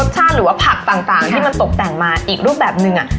รสชาติหรือว่าผักต่างที่มันตกแต่งมาอีกรูปหนึ่ง